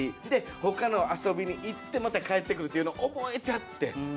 で、ほかの遊びに行ってまた帰ってくるのを覚えちゃって。